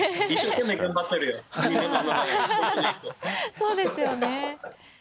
そうですよね。